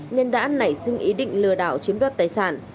nên đã nảy sinh ý định lừa đảo chiếm đoạt tài sản